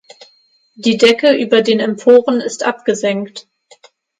Die Decke über den Emporen ist abgesenkt.